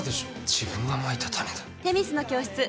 自分がまいた種だ。